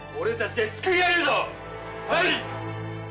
はい！